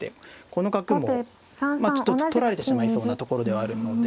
この角もちょっと取られてしまいそうなところではあるので。